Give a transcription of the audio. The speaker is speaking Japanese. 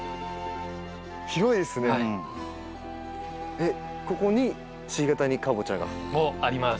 えっここに鹿ケ谷かぼちゃが？もあります。